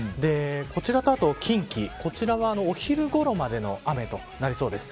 こちらと、あと近畿こちらは、お昼ごろまでの雨となりそうです。